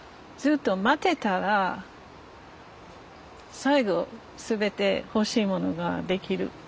ずっと待ってたら最後全て欲しいものが出来る。